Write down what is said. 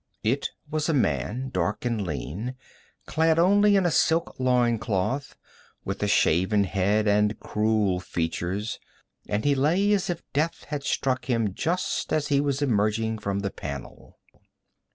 It was a man, dark and lean, clad only in a silk loin cloth, with a shaven head and cruel features, and he lay as if death had struck him just as he was emerging from the panel.